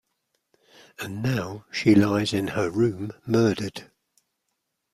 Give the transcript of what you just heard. And now she lies in her room murdered!